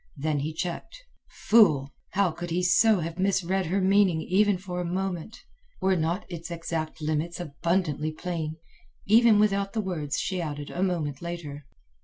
Then he checked. Fool! How could he so have misread her meaning even for a moment? Were not its exact limits abundantly plain, even without the words which she added a moment later?